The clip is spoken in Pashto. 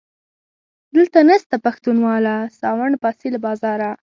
دلته نسته پښتونواله - ساوڼ باسي له بازاره